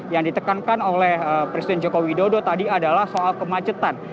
yang ditekankan oleh presiden joko widodo tadi adalah soal kemacetan